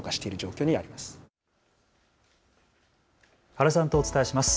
原さんとお伝えします。